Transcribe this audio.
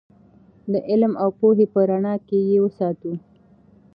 د علم او پوهې په رڼا کې یې وساتو.